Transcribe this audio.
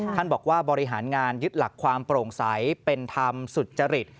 ท่านบอกว่าบริหารงานยึดหลักความโปร่งใสเป็นธรรมสุจริต